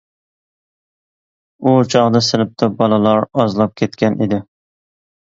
ئۇ چاغدا سىنىپتا بالىلار ئازلاپ كەتكەن ئىدى.